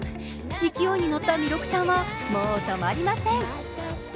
勢いに乗った弥勒ちゃんは、もう止まりません。